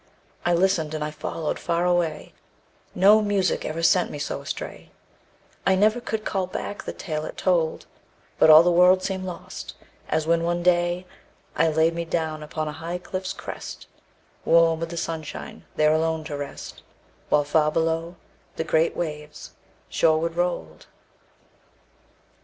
I listened, and I followed far away No music ever sent me so astray, I never could call back the tale it told, But all the world seemed lost, as when, one day, I laid me down upon a high cliff's crest, Warm with the sunshine, there alone to rest, While far below the great waves shoreward rolled.